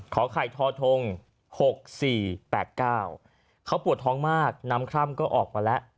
ขอไข่ทอทงหกสี่แปดเก้าเขาปวดท้องมากน้ำคร่ำก็ออกมาแล้ว